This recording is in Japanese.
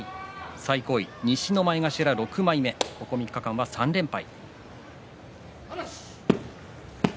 最高位、西の６枚目この３日間は３連敗。